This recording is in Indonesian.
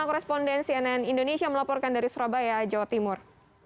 koresponden cnn indonesia melaporkan dari surabaya jawa timur